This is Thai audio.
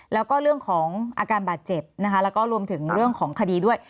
แล้วก็เรื่องของอาการบาดเจ็บนะคะแล้วก็รวมถึงเรื่องของคดีด้วย